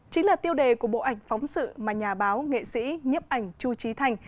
chính là tiêu đề của bộ ảnh phóng sự mà nhà báo nghệ sĩ nhiếp ảnh chu trí thành